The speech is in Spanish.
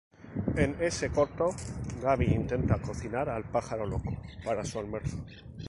En ese corto, Gabby intenta cocinar al Pájaro Loco para su almuerzo.